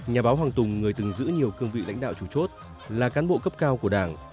nhà báo hoàng tùng người từng giữ nhiều cương vị lãnh đạo chủ chốt là cán bộ cấp cao của đảng